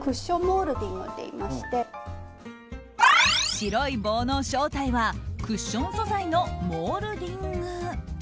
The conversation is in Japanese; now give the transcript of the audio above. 白い棒の正体はクッション素材のモールディング。